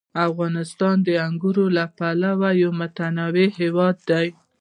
افغانستان د انګورو له پلوه یو متنوع هېواد دی.